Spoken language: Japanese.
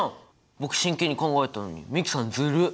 僕真剣に考えたのに美樹さんずるっ！